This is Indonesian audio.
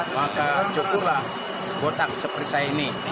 maka cukuplah botak seperti saya ini